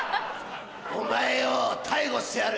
お前を逮捕してやる。